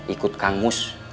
ikut kang mus